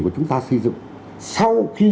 của chúng ta xây dựng sau khi